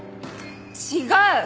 違う！